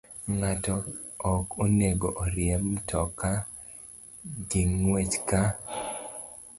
Ng'ato ok onego oriemb mtoka gi ng'wech ka